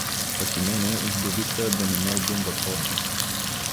Пък и мене, вдовица да не ме одумват хората.